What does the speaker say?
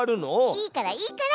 いいからいいから！